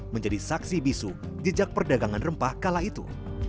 menjadi saksi bisu jejak perdagangan rempah kala itu